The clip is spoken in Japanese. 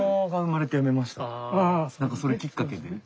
何かそれきっかけにね。